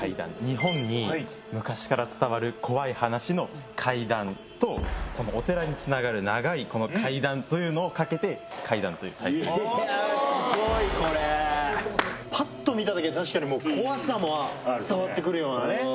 日本に昔から伝わる怖い話の「怪談」とお寺につながる長い「階段」というのをかけて「ＫＷＡＩＤＡＮ」というタイトルにしました・すごいこれ・ぱっと見ただけで確かに怖さも伝わってくるようなね